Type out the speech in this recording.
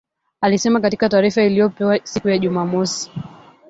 alisema katika taarifa iliyopewa siku ya Jumamosi